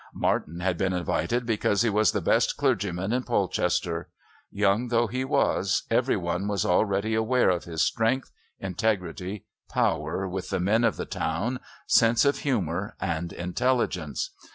Martin had been invited because he was the best clergyman in Polchester. Young though he was, every one was already aware of his strength, integrity, power with the men of the town, sense of humour and intelligence.